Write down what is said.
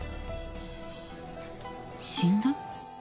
死んだ？